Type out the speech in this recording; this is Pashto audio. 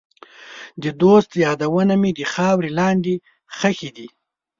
د دوست یادونه مې د خاورې لاندې ښخې دي.